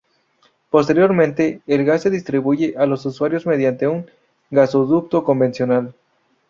Posteriormente, el gas se distribuye a los usuarios mediante un gasoducto convencional.